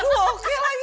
aduh oke lagi